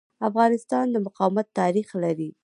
افغانستان د مقاومت تاریخ لري.